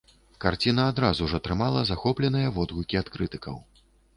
Карціна адразу ж атрымала захопленыя водгукі ад крытыкаў.